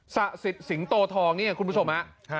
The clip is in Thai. สะสิดสิงโตทองนี่คุณผู้ชม